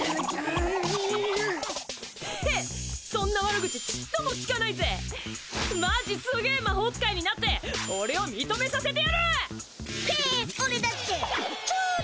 そんな悪口ちっとも効かないぜマジすげえ魔法使いになって俺を認めさせへっ！